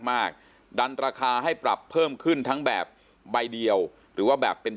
ดันราคาให้ปรับเพิ่มขึ้นทั้งแบบใบเดียวหรือว่าแบบเป็น